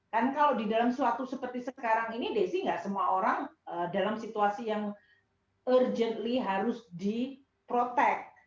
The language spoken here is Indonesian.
kan kalau di dalam suatu seperti sekarang ini desi nggak semua orang dalam situasi yang urgently harus di protect